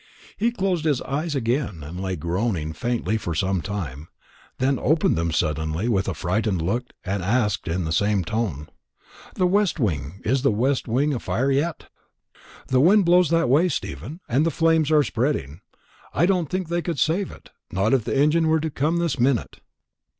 He closed his eyes again, and lay groaning faintly for some time; then opened them suddenly with a frightened look and asked, in the same tone, "The west wing is the west wing afire yet?" "The wind blows that way, Stephen, and the flames are spreading. I don't think they could save it not if the engine was to come this minute."